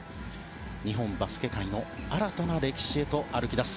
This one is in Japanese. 日本バスケ界の新たな歴史へと歩き出す。